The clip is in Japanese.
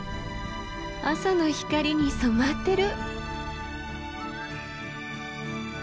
朝の光に染まってる。